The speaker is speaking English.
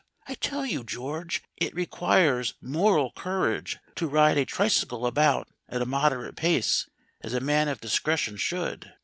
I tell you, George, it requires moral courage to ride a tricycle about at a moderate pace, as a man of discretion should.